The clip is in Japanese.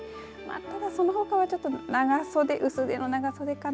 ただそのほかは長袖、薄手の長袖かな。